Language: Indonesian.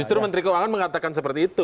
justru menteri keuangan mengatakan seperti itu